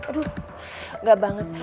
aduh gak banget